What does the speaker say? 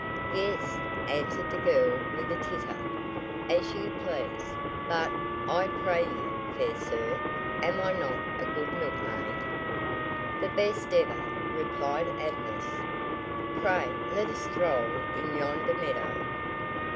"Yes," answered the girl with a titter. "As you please but, I pray you, fair sir, am I not a good milkmaid?" "The best ever," replied Adonis. "Pray let us stroll in yonder meadow."